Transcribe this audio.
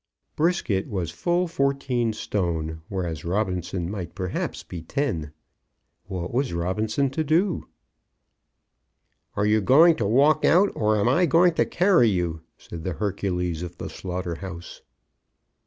Brisket was full fourteen stone, whereas Robinson might perhaps be ten. What was Robinson to do? "Are you going to walk out, or am I going to carry you?" said the Hercules of the slaughter house.